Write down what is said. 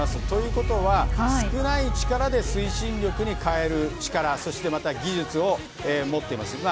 ということは少ない力で推進力に変える力そして技術を持っています。